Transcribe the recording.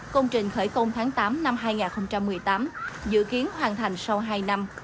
công trình khởi công tháng tám năm hai nghìn một mươi tám dự kiến hoàn thành sau hai năm